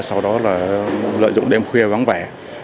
sau đó lợi dụng đêm khuya vắng vẻ